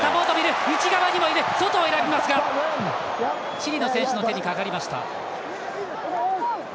チリの選手の手にかかりました。